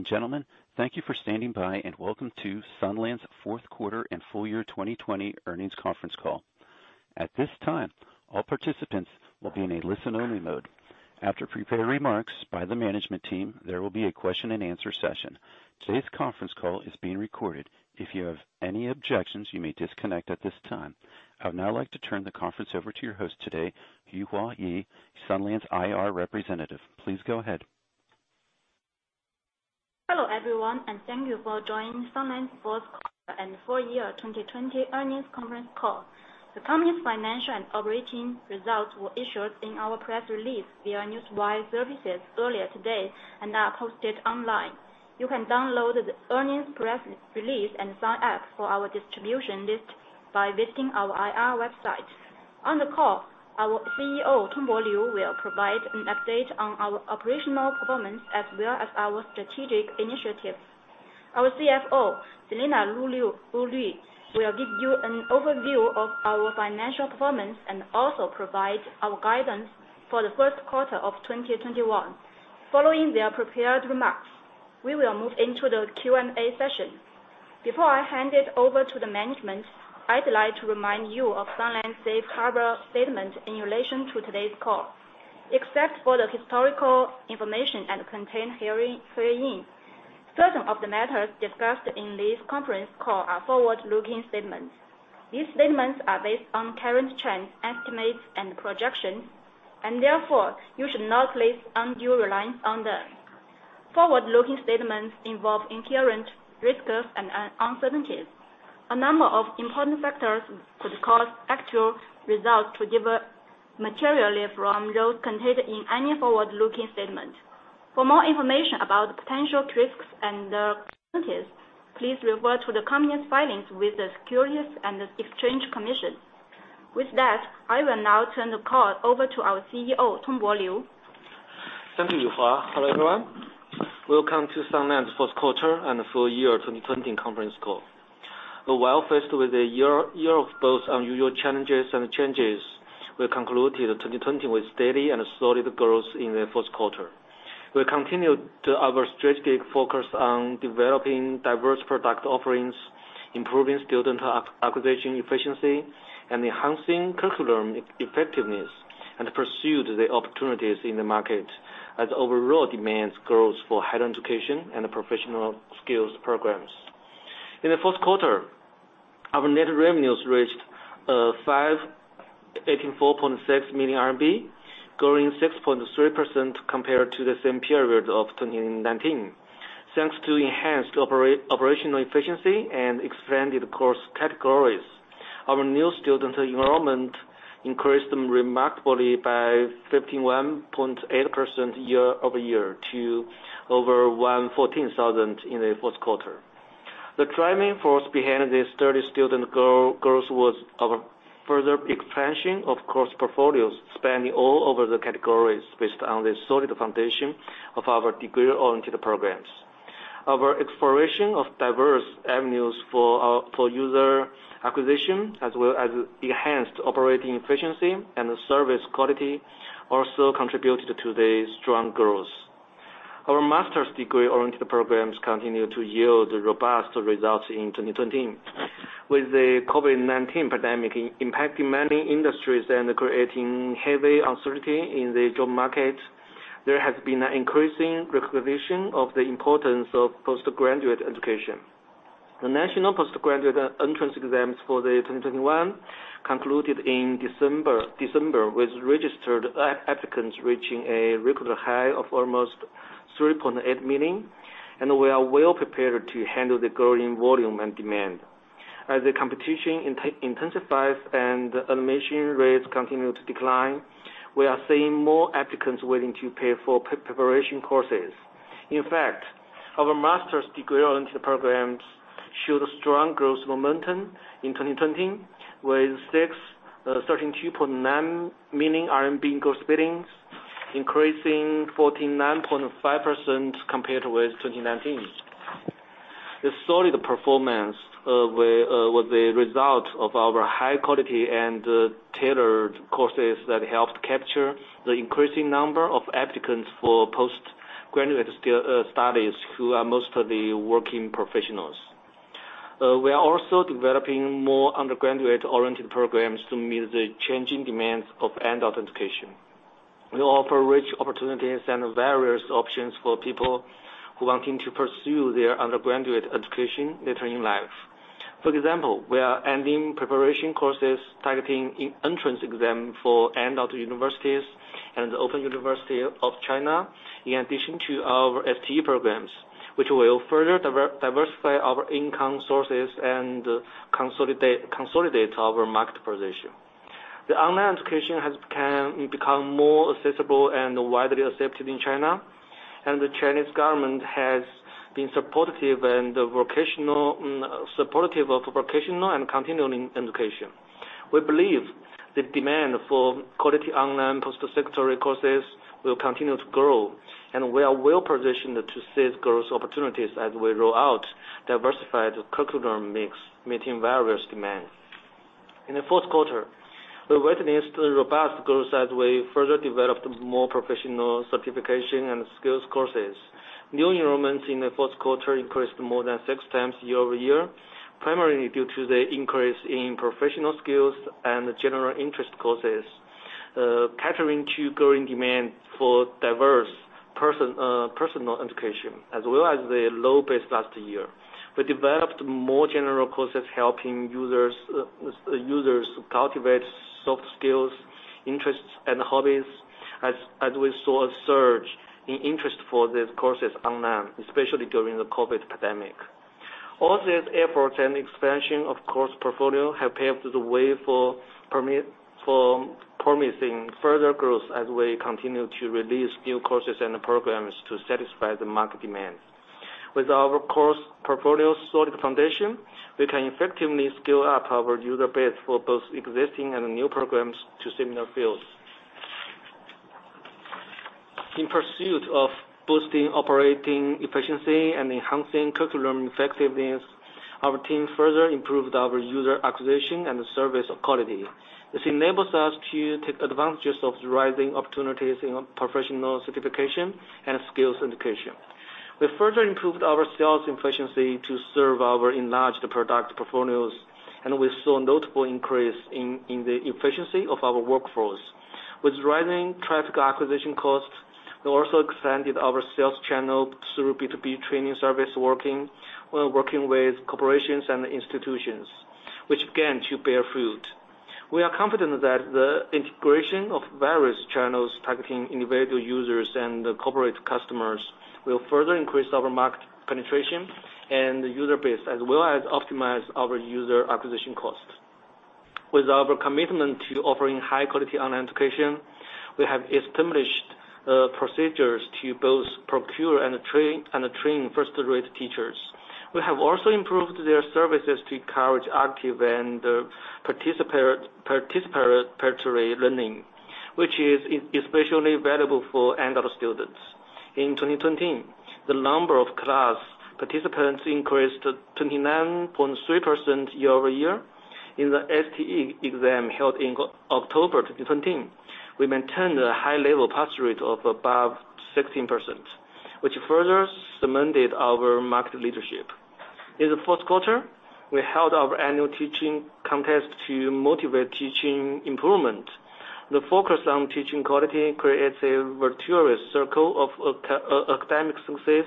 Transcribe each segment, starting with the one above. Ladies and gentlemen, thank you for standing by and welcome to Sunlands' fourth quarter and full year 2020 earnings conference call. At this time, all participants will be in a listen-only mode. After prepared remarks by the management team, there will be a question and answer session. Today's conference call is being recorded. If you have any objections, you may disconnect at this time. I would now like to turn the conference over to your host today, Yuhua Ye, Sunlands' IR representative. Please go ahead. Hello, everyone, and thank you for joining Sunlands' fourth quarter and full year 2020 earnings conference call. The company's financial and operating results were issued in our press release via Newswire services earlier today and are posted online. You can download the earnings press release and sign up for our distribution list by visiting our IR website. On the call, our CEO, Tongbo Liu, will provide an update on our operational performance as well as our strategic initiatives. Our CFO, Selena Lu Lv, will give you an overview of our financial performance and also provide our guidance for the first quarter of 2021. Following their prepared remarks, we will move into the Q&A session. Before I hand it over to the management, I'd like to remind you of Sunlands' safe harbor statement in relation to today's call. Except for the historical information and contained herein, certain of the matters discussed in this conference call are forward-looking statements. These statements are based on current trend estimates and projections, and therefore, you should not place undue reliance on them. Forward-looking statements involve inherent risks and uncertainties. A number of important factors could cause actual results to differ materially from those contained in any forward-looking statement. For more information about the potential risks and uncertainties, please refer to the company's filings with the Securities and Exchange Commission. With that, I will now turn the call over to our CEO, Tongbo Liu. Thank you, Yuhua. Hello, everyone. Welcome to Sunlands' fourth quarter and full year 2020 conference call. While faced with a year of both unusual challenges and changes, we concluded 2020 with steady and solid growth in the fourth quarter. We continued our strategic focus on developing diverse product offerings, improving student acquisition efficiency, and enhancing curriculum effectiveness, and pursued the opportunities in the market as overall demand grows for higher education and professional skills programs. In the fourth quarter, our net revenues reached 584.6 million RMB, growing 6.3% compared to the same period of 2019. Thanks to enhanced operational efficiency and expanded course categories, our new student enrollment increased remarkably by 51.8% year-over-year to over 114,000 in the fourth quarter. The driving force behind this steady student growth was our further expansion of course portfolios spanning all over the categories based on the solid foundation of our degree-oriented programs. Our exploration of diverse avenues for user acquisition as well as enhanced operating efficiency and service quality also contributed to the strong growth. Our master's degree-oriented programs continued to yield robust results in 2020. With the COVID-19 pandemic impacting many industries and creating heavy uncertainty in the job market, there has been an increasing recognition of the importance of postgraduate education. The national postgraduate entrance exams for 2021 concluded in December, with registered applicants reaching a record high of almost 3.8 million. We are well prepared to handle the growing volume and demand. As the competition intensifies and admission rates continue to decline, we are seeing more applicants willing to pay for preparation courses. In fact, our master's degree-oriented programs showed strong growth momentum in 2020, with 632.9 million RMB in gross billings, increasing 49.5% compared with 2019. This solid performance was a result of our high quality and tailored courses that helped capture the increasing number of applicants for postgraduate studies, who are mostly working professionals. We are also developing more undergraduate-oriented programs to meet the changing demands of adult education. We offer rich opportunities and various options for people who are wanting to pursue their undergraduate education later in life. For example, we are adding preparation courses targeting entrance exams for adult universities and the Open University of China, in addition to our STE programs, which will further diversify our income sources and consolidate our market position. The online education has become more accessible and widely accepted in China, and the Chinese government has been supportive of vocational and continuing education. We believe the demand for quality online post-secondary courses will continue to grow, and we are well-positioned to seize growth opportunities as we roll out diversified curriculum mix meeting various demands. In the fourth quarter, we witnessed a robust growth as we further developed more professional certification and skills courses. New enrollments in the fourth quarter increased more than six times year-over-year, primarily due to the increase in professional skills and general interest courses, catering to growing demand for diverse personal education, as well as the low base last year. We developed more general courses helping users cultivate soft skills, interests, and hobbies, as we saw a surge in interest for these courses online, especially during the COVID pandemic. All these efforts and expansion of course portfolio have paved the way for promising further growth as we continue to release new courses and programs to satisfy the market demand. With our course portfolio solid foundation, we can effectively scale up our user base for both existing and new programs to similar fields. In pursuit of boosting operating efficiency and enhancing curriculum effectiveness, our team further improved our user acquisition and service quality. This enables us to take advantages of the rising opportunities in professional certification and skills education. We further improved our sales efficiency to serve our enlarged product portfolios, and we saw notable increase in the efficiency of our workforce. With rising traffic acquisition costs, we also expanded our sales channel through B2B training service, working with corporations and institutions, which began to bear fruit. We are confident that the integration of various channels targeting individual users and corporate customers will further increase our market penetration and user base, as well as optimize our user acquisition costs. With our commitment to offering high quality online education, we have established procedures to both procure and train first rate teachers. We have also improved their services to encourage active and participatory learning, which is especially valuable for adult students. In 2020, the number of class participants increased 29.3% year-over-year. In the STE exam held in October 2017, we maintained a high level pass rate of above 60%, which further cemented our market leadership. In the fourth quarter, we held our annual teaching contest to motivate teaching improvement. The focus on teaching quality creates a virtuous circle of academic success,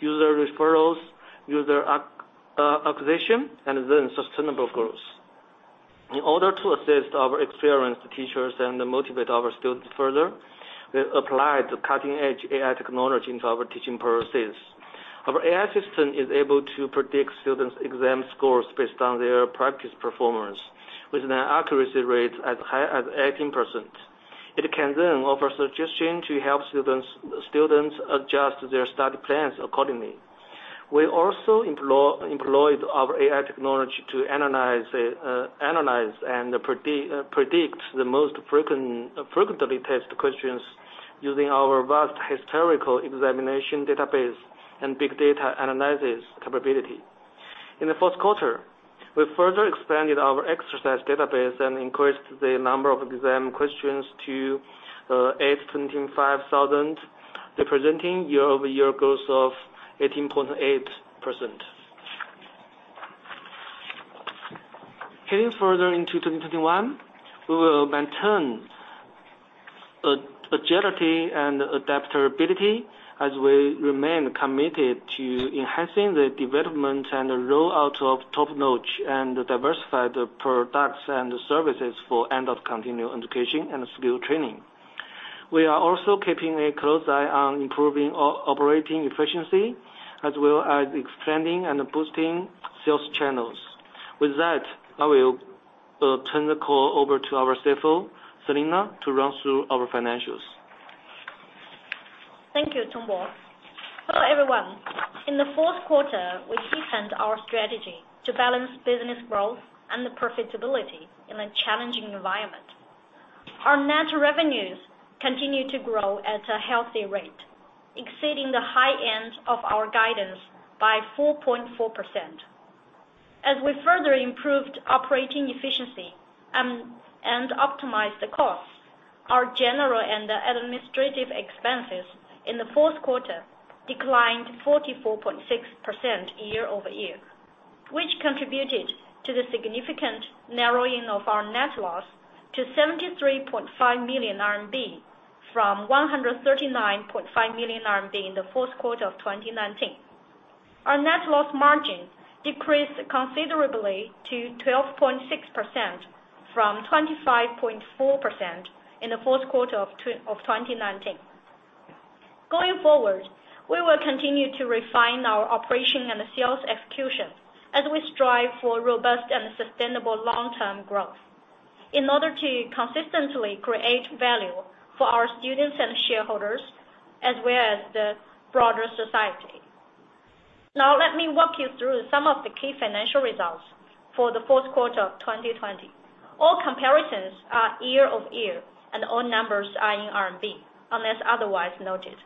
user referrals, user acquisition, and then sustainable growth. In order to assist our experienced teachers and motivate our students further, we applied cutting edge AI technology into our teaching process. Our AI system is able to predict students' exam scores based on their practice performance, with an accuracy rate as high as 80%. It can then offer suggestions to help students adjust their study plans accordingly. We also employed our AI technology to analyze and predict the most frequently tested questions using our vast historical examination database and big data analysis capability. In the fourth quarter, we further expanded our exercise database and increased the number of exam questions to 825,000, representing year-over-year growth of 18.8%. Heading further into 2021, we will maintain agility and adaptability as we remain committed to enhancing the development and rollout of top-notch and diversified products and services for adult continuing education and skill training. We are also keeping a close eye on improving operating efficiency, as well as expanding and boosting sales channels. With that, I will turn the call over to our CFO, Selena, to run through our financials. Thank you, Tongbo. Hello, everyone. In the fourth quarter, we deepened our strategy to balance business growth and profitability in a challenging environment. Our net revenues continued to grow at a healthy rate, exceeding the high end of our guidance by 4.4%. As we further improved operating efficiency and optimized the costs, our general and administrative expenses in the fourth quarter declined 44.6% year-over-year, which contributed to the significant narrowing of our net loss to 73.5 million RMB from 139.5 million RMB in the fourth quarter of 2019. Our net loss margin decreased considerably to 12.6% from 25.4% in the fourth quarter of 2019. Going forward, we will continue to refine our operation and sales execution, as we strive for robust and sustainable long-term growth in order to consistently create value for our students and shareholders, as well as the broader society. Now, let me walk you through some of the key financial results for the fourth quarter of 2020. All comparisons are year-over-year, and all numbers are in CNY, unless otherwise noted.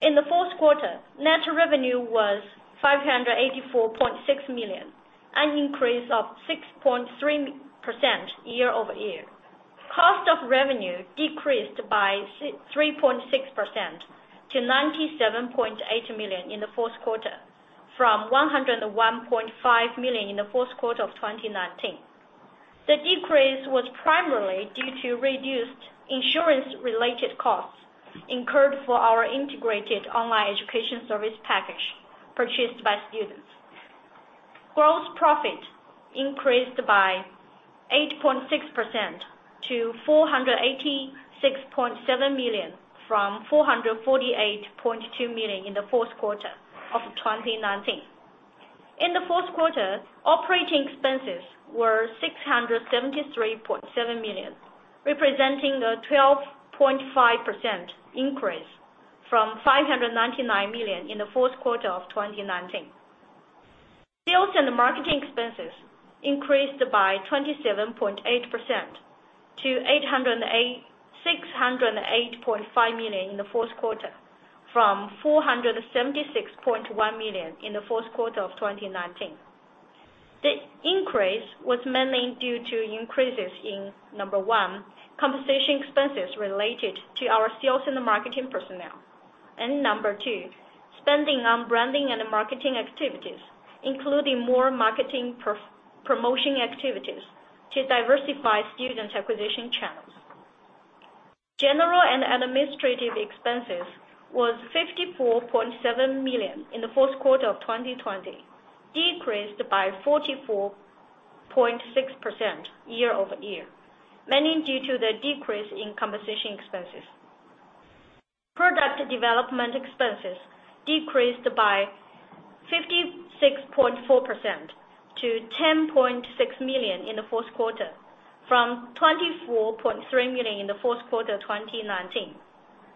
In the fourth quarter, net revenue was 584.6 million, an increase of 6.3% year-over-year. Cost of revenue decreased by 3.6% to 97.8 million in the fourth quarter from 101.5 million in the fourth quarter of 2019. The decrease was primarily due to reduced insurance-related costs incurred for our integrated online education service package purchased by students. Gross profit increased by 8.6% to 486.7 million from 448.2 million in the fourth quarter of 2019. In the fourth quarter, operating expenses were 673.7 million, representing a 12.5% increase from 599 million in the fourth quarter of 2019. Sales and marketing expenses increased by 27.8% to 608.5 million in the fourth quarter from 476.1 million in the fourth quarter of 2019. The increase was mainly due to increases in, number one, compensation expenses related to our sales and marketing personnel. Number two, spending on branding and marketing activities, including more marketing promotion activities to diversify student acquisition channels. General and administrative expenses was 54.7 million in the fourth quarter of 2020, decreased by 44.6% year-over-year, mainly due to the decrease in compensation expenses. Product development expenses decreased by 56.4% to 10.6 million in the fourth quarter from 24.3 million in the fourth quarter 2019.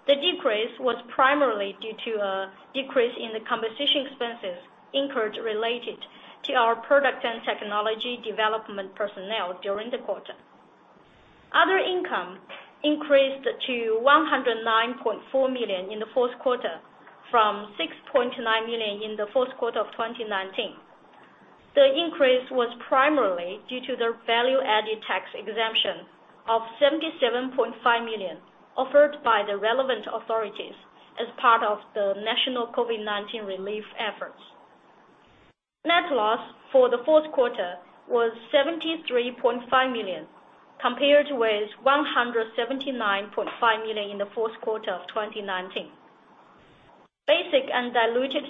The decrease was primarily due to a decrease in the compensation expenses incurred related to our product and technology development personnel during the quarter. Other income increased to 109.4 million in the fourth quarter from 6.9 million in the fourth quarter of 2019. The increase was primarily due to the value-added tax exemption of 77.5 million offered by the relevant authorities as part of the national COVID-19 relief efforts. Net loss for the fourth quarter was 73.5 million compared with 179.5 million in the fourth quarter of 2019. Basic and diluted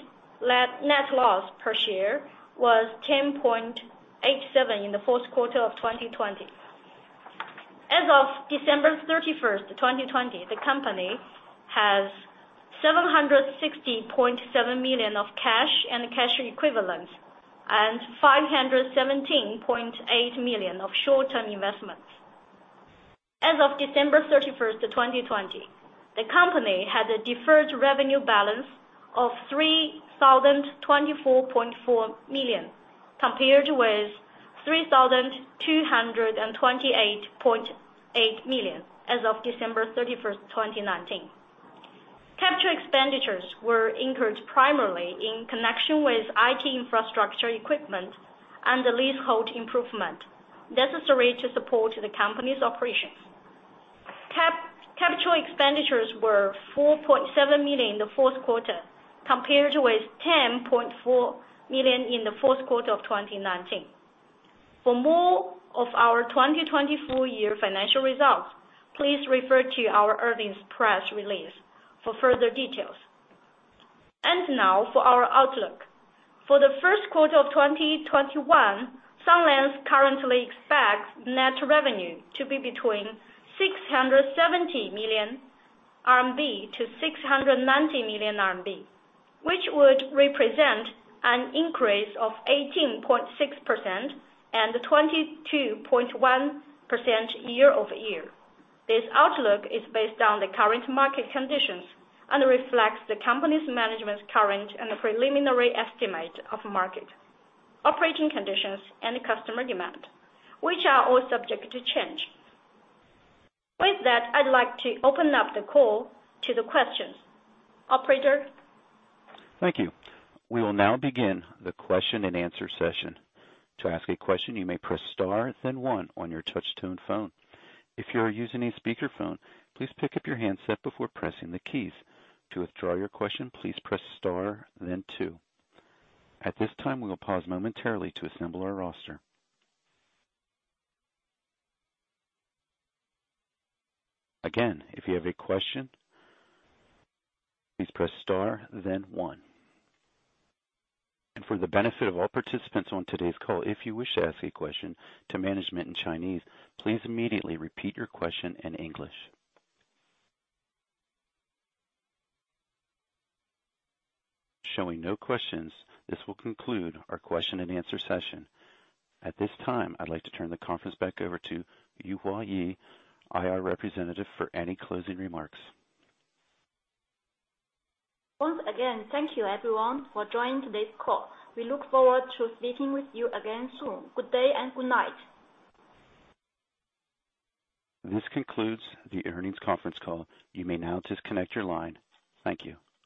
net loss per share was 1.07 in the fourth quarter of 2020. As of December 31st, 2020, the company has 760.7 million of cash and cash equivalents and 517.8 million of short-term investments. As of December 31st, 2020, the company had a deferred revenue balance of 3,024.4 million, compared with 3,228.8 million as of December 31st, 2019. Capital expenditures were incurred primarily in connection with IT infrastructure equipment and the leasehold improvement necessary to support the company's operations. Capital expenditures were 4.7 million in the fourth quarter compared with 10.4 million in the fourth quarter of 2019. For more of our 2020 full-year financial results, please refer to our earnings press release for further details. Now for our outlook. For the first quarter of 2021, Sunlands currently expects net revenue to be between 670 million-690 million RMB, which would represent an increase of 18.6% and 22.1% year-over-year. This outlook is based on the current market conditions and reflects the company's management's current and preliminary estimate of market operating conditions and customer demand, which are all subject to change. With that, I'd like to open up the call to the questions. Operator? Thank you. We will now begin the question and answer session. To ask a question, you may press star then one on your touch-tone phone. If you are using a speakerphone, please pick up your handset before pressing the keys. To withdraw your question, please press star then two. At this time, we will pause momentarily to assemble our roster. Again, if you have a question, please press star then one. For the benefit of all participants on today's call, if you wish to ask a question to management in Chinese, please immediately repeat your question in English. Showing no questions, this will conclude our question and answer session. At this time, I'd like to turn the conference back over to Yuhua Ye, IR representative, for any closing remarks. Once again, thank you everyone for joining today's call. We look forward to speaking with you again soon. Good day and good night. This concludes the earnings conference call. You may now disconnect your line. Thank you.